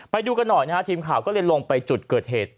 ไปดูกันหน่อยนะฮะทีมข่าวก็เลยลงไปจุดเกิดเหตุ